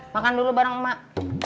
makan dulu bareng emak